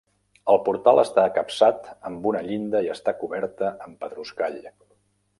El portal està capçat amb una llinda i està coberta amb pedruscall.